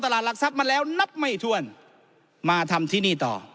หลักทรัพย์มาแล้วนับไม่ถ้วนมาทำที่นี่ต่อ